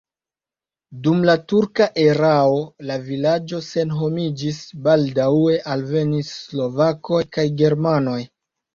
Dum la turka erao la vilaĝo senhomiĝis, baldaŭe alvenis slovakoj kaj germanoj.